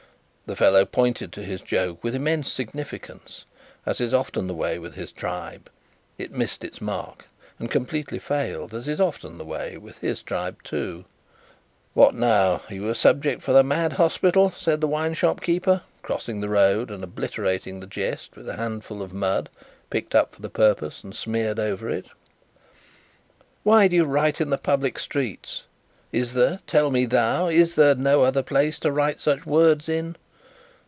The fellow pointed to his joke with immense significance, as is often the way with his tribe. It missed its mark, and completely failed, as is often the way with his tribe too. "What now? Are you a subject for the mad hospital?" said the wine shop keeper, crossing the road, and obliterating the jest with a handful of mud, picked up for the purpose, and smeared over it. "Why do you write in the public streets? Is there tell me thou is there no other place to write such words in?"